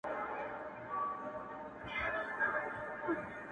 مسافر پر لاري ځکه د ارمان سلګی وهمه-